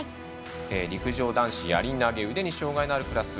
陸上男子やり投げ腕に障がいのあるクラス。